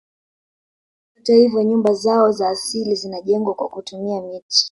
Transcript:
Hata hivyo nyumba zao za asili zinajengwa kwa kutumia miti